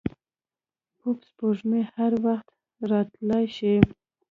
پوپ سپوږمۍ هر وخت راتلای شي.